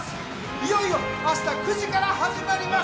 いよいよ明日９時から始まります！